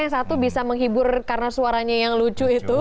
yang satu bisa menghibur karena suaranya yang lucu itu